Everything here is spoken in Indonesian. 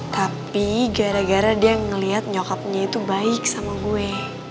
tapi gara gara dia ngeliat nyokapnya itu baik sama gue